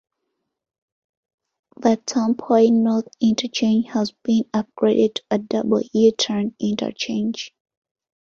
The Tampoi North Interchange has been upgraded to a Double U-Turn interchange.